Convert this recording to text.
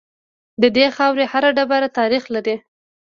د دې خاورې هر ډبره تاریخ لري